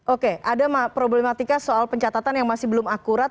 oke ada problematika soal pencatatan yang masih belum akurat